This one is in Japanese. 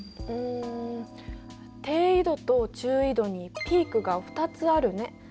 低緯度と中緯度にピークが２つあるね。